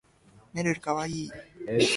It was part of the larger Danube civilization.